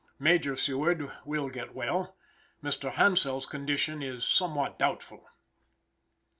Major Seward will get well. Mr. Hansell's condition is somewhat doubtful.